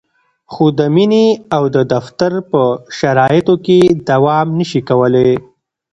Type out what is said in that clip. خو د مینې او د دفتر په شرایطو کې دوام نشي کولای.